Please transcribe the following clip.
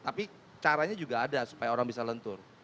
tapi caranya juga ada supaya orang bisa lentur